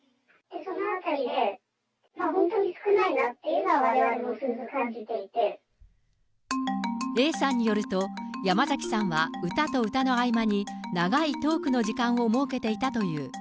そのあたりで、本当に少ないなっていうのは、Ａさんによると、山崎さんは歌と歌の合間に長いトークの時間を設けていたという。